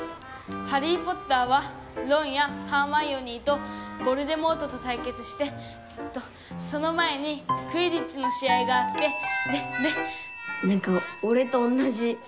『ハリー・ポッター』はロンやハーマイオニーとヴォルデモートとたいけつしてえっとその前にクィディッチの試合があってでで」。